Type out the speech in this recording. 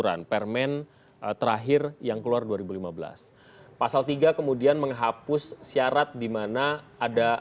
punya tenaga kerja cukup banyak